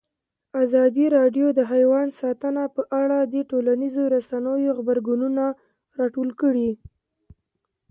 ازادي راډیو د حیوان ساتنه په اړه د ټولنیزو رسنیو غبرګونونه راټول کړي.